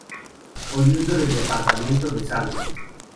Oriundo del departamento de Salto.